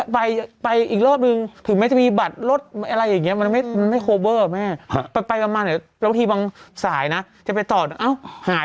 ไปไปอีกรอบนึงถึงไม่ทำเป็นอีกบัตรรถอะไรอย่างเงี้ย